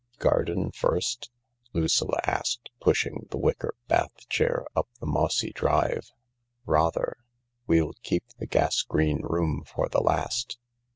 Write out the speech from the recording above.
" Garden first ?" Lucilla asked, pushing the wicker bath chair up the mossy drive. " Rather— we'll keep the gas green room for the last.